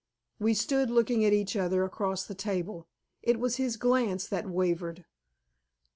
We stood looking at each other across the table. It was his glance that wavered.